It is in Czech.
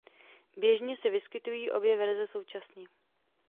Běžně se vyskytují obě verze současně.